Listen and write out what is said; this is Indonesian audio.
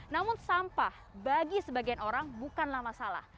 namun sampah bagi sebagian orang bukanlah masalah